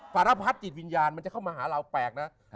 สารพัดจิตวิญญาณมันจะเข้ามาหาเราแปลกนะ